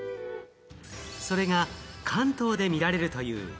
それが関東で見られるという。